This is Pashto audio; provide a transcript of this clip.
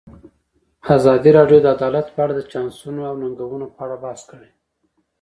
ازادي راډیو د عدالت په اړه د چانسونو او ننګونو په اړه بحث کړی.